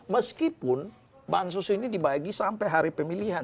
meskipun bansos ini dibagi sampai hari pemilihan